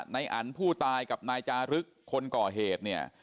นายอันผู้ตายกับนายจารึกคนก่อเหตุเนี่ย